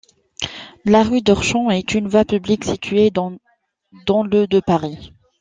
La rue d'Orchampt est une voie publique située dans le de Paris.